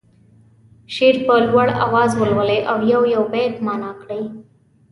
شعر په لوړ اواز ولولي او یو یو بیت معنا کړي.